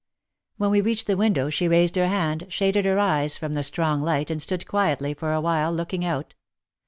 When we reached the window she raised her hand, shaded her eyes from the strong light and stood quietly for a while, looking out.